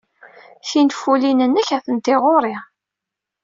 Tinfulin-nnek atenti ɣer-i.